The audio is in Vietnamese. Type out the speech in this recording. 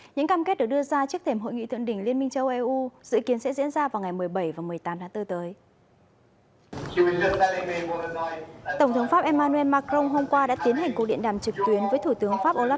những cam kết được đưa ra trước thềm hội nghị thượng đỉnh liên minh châu âu dự kiến sẽ diễn ra vào ngày một mươi bảy và một mươi tám tháng bốn tới